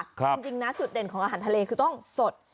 จริงนะจุดเด่นของอาหารทะเลคือต้องสด